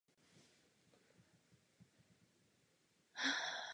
Klub býval účastníkem mistrovství Severovýchodního Německa.